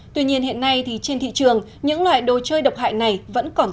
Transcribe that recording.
tuy nhiên hiện nay trên thị trường những loại đồ chơi độc hại này vẫn còn tồn tại